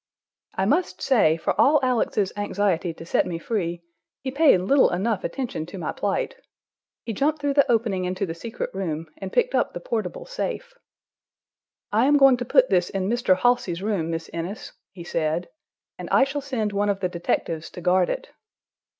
I must say, for all Alex's anxiety to set me free, he paid little enough attention to my plight. He jumped through the opening into the secret room, and picked up the portable safe. "I am going to put this in Mr. Halsey's room, Miss Innes," he said, "and I shall send one of the detectives to guard it."